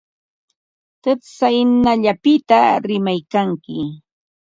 Tsaynawllapita rimaykanki.